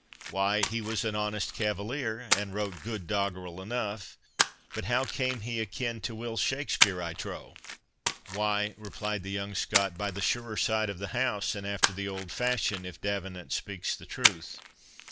—why, he was an honest cavalier, and wrote good doggrel enough; but how came he a kin to Will Shakspeare, I trow?" "Why," replied the young Scot, "by the surer side of the house, and after the old fashion, if D'Avenant speaks truth.